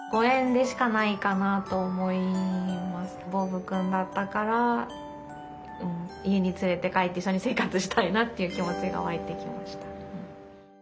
ボブくんだったから家に連れて帰って一緒に生活したいなという気持ちが湧いてきました。